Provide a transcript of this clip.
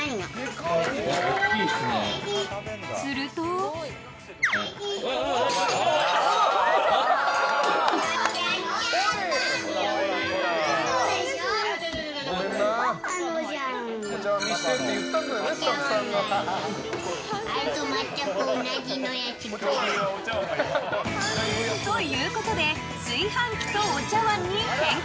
すると。ということで炊飯器とお茶碗に変更！